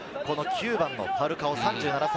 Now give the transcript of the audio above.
９番のファルカオ、３７歳。